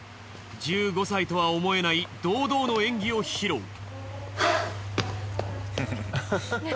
１５歳とは思えない堂々の演技を披露。